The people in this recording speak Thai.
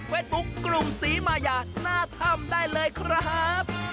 เว็บบุ๊คกรุงสีมายาน่าทำได้เลยครับ